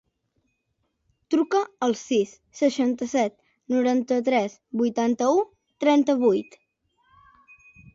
Truca al sis, seixanta-set, noranta-tres, vuitanta-u, trenta-vuit.